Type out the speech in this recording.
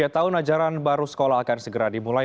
tiga tahun ajaran baru sekolah akan segera dimulai